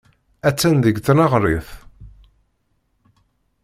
Attan deg tneɣrit.